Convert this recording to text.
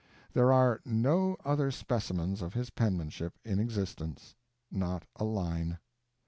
There are no other specimens of his penmanship in existence. Not a line.